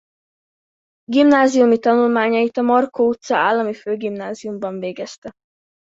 Gimnáziumi tanulmányait a Markó utca állami főgimnáziumban végezte.